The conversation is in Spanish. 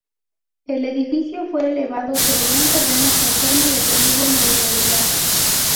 El edificio fue elevado sobre un terreno con forma de polígono irregular.